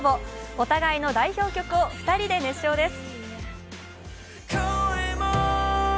お互いの代表曲を２人で熱唱です。